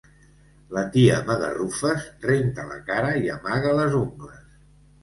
La tia Magarrufes renta la cara i amaga les ungles.